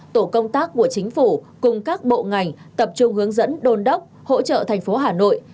tổ công tác của chính phủ cùng các bộ ngành tập trung hướng dẫn đôn đốc hỗ trợ thành phố hà nội